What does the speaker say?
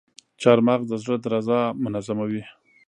چارمغز د زړه درزا منظموي.